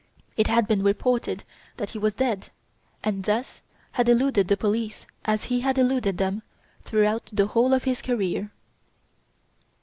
It had been reported that he was dead, and thus had eluded the police as he had eluded them throughout the whole of his career.